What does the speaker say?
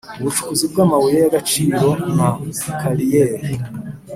ubucukuzi bw’ amabuye y’ agaciro na kariyeri